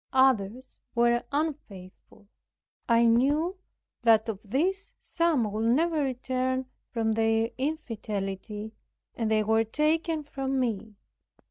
Others were unfaithful; I knew that of these some would never return from their infidelity, and they were taken from me.